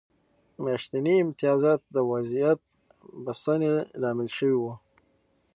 میاشتني امتیازات د وضعیت بسنه لامل شوي وو.